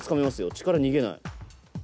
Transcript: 力逃げない。